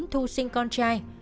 thu sinh con trai